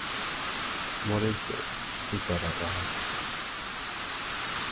‘What is this?’ he said at last.